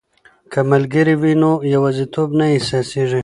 که ملګري وي نو یوازیتوب نه احساسیږي.